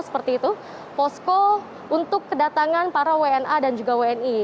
posko untuk kedatangan para wna dan juga wni